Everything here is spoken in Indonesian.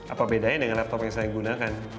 apa bedanya dengan laptop yang saya gunakan